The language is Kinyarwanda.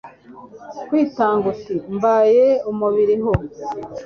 kwitanga uti, mbahaye umubiri ho